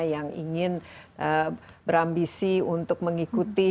yang ingin berambisi untuk mengikuti